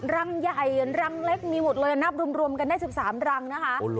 รังใหญ่รังเล็กมีหมดเลยนับรวมกันได้๑๓รังนะคะ